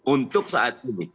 untuk saat ini